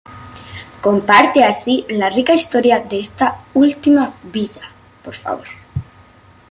Comparte así la rica historia de esta última villa.